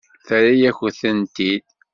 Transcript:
Terra-yakent-t-id?